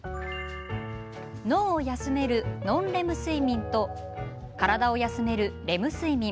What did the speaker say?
脳を休めるノンレム睡眠と体を休めるレム睡眠。